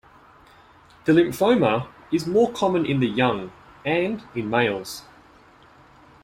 The lymphoma is more common in the young and in males.